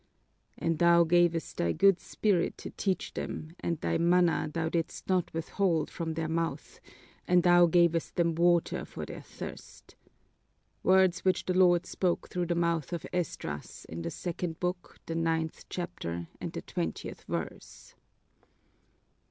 And thou gavest thy good Spirit to teach them, and thy manna thou didst not withhold from their mouth, and thou gavest them water for their thirst!' Words which the Lord spoke through the mouth of Esdras, in the second book, the ninth chapter, and the twentieth verse."